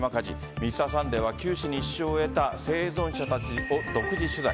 「Ｍｒ．サンデー」は九死に一生を得た生存者たちを独自取材。